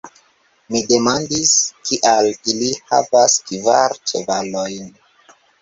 Mi demandis, kial ili havas kvar ĉevalojn.